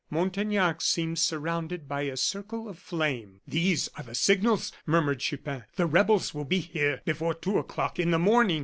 Montaignac seemed surrounded by a circle of flame. "These are the signals," murmured Chupin. "The rebels will be here before two o'clock in the morning."